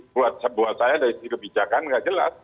buat saya dari sisi kebijakan tidak jelas